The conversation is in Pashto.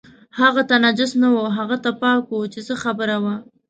هغه ته نجس نه و، هغه ته پاک و چې څه خبره وه.